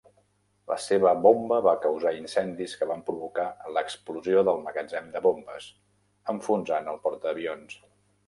La seva bomba va causar incendis que van provocar l'explosió del magatzem de bombes, enfonsant el portaavions.